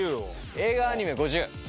映画・アニメ５０。